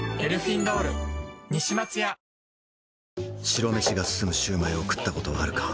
白飯が進むシュウマイを食ったことはあるか？